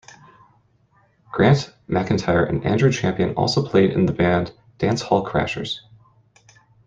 Grant McIntire and Andrew Champion also played in the band Dance Hall Crashers.